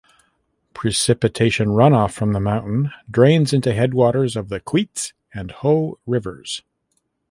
Precipitation runoff from the mountain drains into headwaters of the Queets and Hoh Rivers.